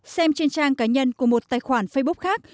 xem trên trang cá nhân của một tài khoản facebook khác